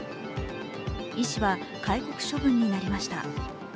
医師は戒告処分になりました。